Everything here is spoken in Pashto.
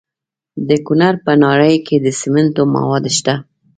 د کونړ په ناړۍ کې د سمنټو مواد شته.